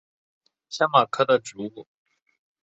鸡冠子花是列当科马先蒿属的植物。